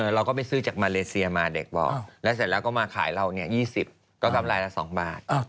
เราก็ไปซื้อจากมาเลเซียมาเด็กบอกแล้วเสร็จแล้วก็มาขายเรา๒๐ก็กำไรละ๒บาท